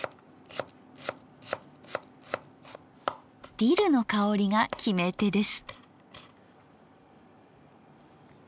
ディルの香りが決め手です。